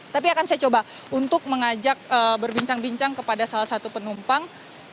tapi akan saya coba untuk mengajak berbincang bincang kepada salah satu penumpang